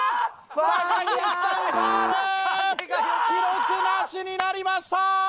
記録なしになりました！